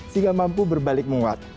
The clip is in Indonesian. sehingga mampu berbalik menguat